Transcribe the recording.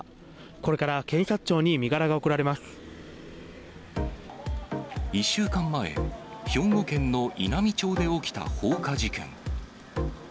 これから検察庁に身柄が送られま２週間前、兵庫県の稲美町で起きた放火事件。